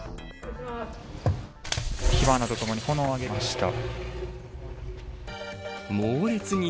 火花とともに炎を上げました。